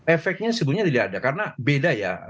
efeknya sebetulnya tidak ada karena beda ya